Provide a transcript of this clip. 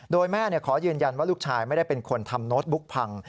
โดยแม่ขอยืนยันว่าลูกชายไม่ได้เป็นคนทำโน้ตบุ๊กพัง